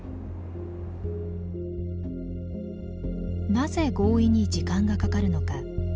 なぜ合意に時間がかかるのか。